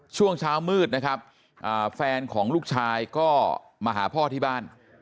ช่วงเช้ามืดนะครับแฟนของลูกชายก็มาหาพ่อที่บ้าน